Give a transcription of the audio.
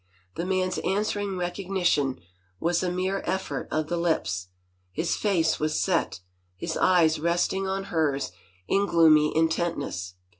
The man's answering recognition was a mere effort of the lips; his face was set, his eyes resting on hers in gloomy intentness.